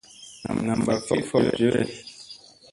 Nam mba ki fok jewe.